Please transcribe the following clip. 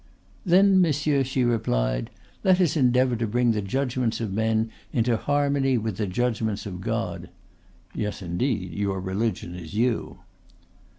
"Then, monsieur," she replied, "let us endeavor to bring the judgments of men into harmony with the judgments of God." ("Yes, indeed, your religion is you.")